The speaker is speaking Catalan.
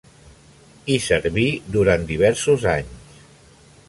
Hi serví durant diversos anys.